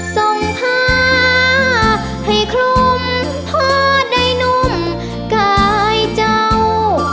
ส่งผ้าให้คลุมพอได้นุ่มกายเจ้า